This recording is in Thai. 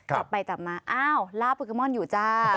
จับไปจับมาอ้าวล่าโปเกมอนอยู่จ้า